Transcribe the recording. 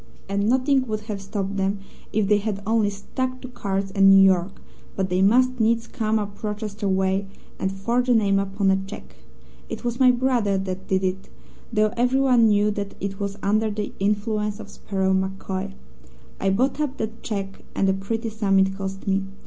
"And nothing would have stopped them if they had only stuck to cards and New York, but they must needs come up Rochester way, and forge a name upon a cheque. It was my brother that did it, though everyone knew that it was under the influence of Sparrow MacCoy. I bought up that cheque, and a pretty sum it cost me.